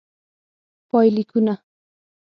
پایلیکونه: